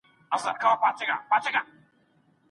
ړانده سړي له ږیري سره بې ډاره اتڼ نه و کړی.